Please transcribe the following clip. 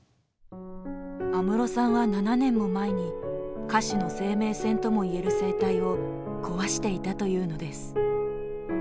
安室さんは７年も前に歌手の生命線とも言える声帯を壊していたというのです。